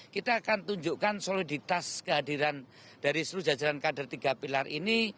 kita akan tunjukkan soliditas kehadiran dari seluruh jajaran kader tiga pilar ini